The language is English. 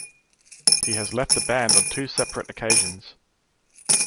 He has left the band on two separate occasions.